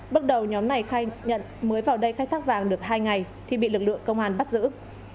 bước đầu nhóm này khai nhận mới vào đây khai thác vàng được hai ngày thì bị lực lượng công an bắt giữ